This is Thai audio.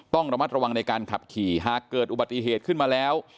ต้องระมัดระวังในการขับขี่หากเกิดอุบัติเหตุขึ้นมาแล้ว